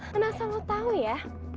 kenapa lo tau ya